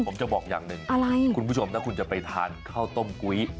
ผมจะบอกอย่างหนึ่งคุณผู้ชมถ้าคุณจะไปทานข้าวต้มกุ้ย